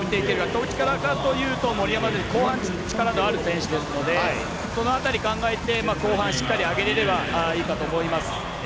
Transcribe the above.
どちらかというと、森山選手後半に力がある選手なのでその辺り考えて後半しっかり上げれればいいかと思います。